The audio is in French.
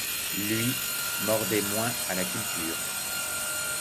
Lui, mordait moins à la culture.